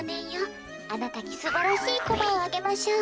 あなたにすばらしいコマをあげましょう。